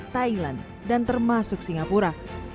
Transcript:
thailand dan termasuk singapura